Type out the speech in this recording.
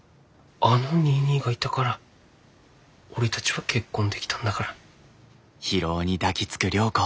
あのニーニーがいたから俺たちは結婚できたんだから。